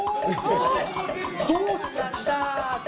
どうして？